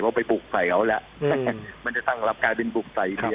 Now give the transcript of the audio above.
เพราะไปปลูกใส่เขาแล้วมันจะตั้งรับกลายเป็นปลูกใส่อินเดีย